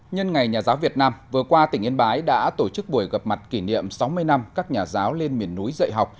nhân ngày nhà giáo việt nam vừa qua tỉnh yên bái đã tổ chức buổi gặp mặt kỷ niệm sáu mươi năm các nhà giáo lên miền núi dạy học